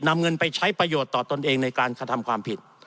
นำเงินไปใช้ประโยชน์ต่อตนเองในการกระทำความผิด